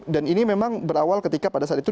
dan ini memang berawal ketika pada saat itu